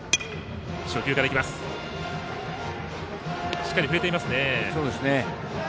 しっかり振れていますね。